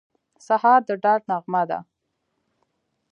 سهار د ډاډ نغمه ده.